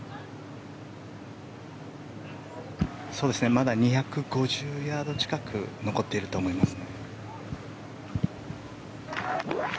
まだ２５０ヤード近く残っていると思います。